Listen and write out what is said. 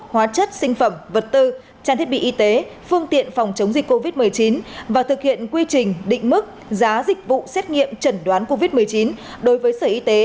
hóa chất sinh phẩm vật tư trang thiết bị y tế phương tiện phòng chống dịch covid một mươi chín và thực hiện quy trình định mức giá dịch vụ xét nghiệm chẩn đoán covid một mươi chín đối với sở y tế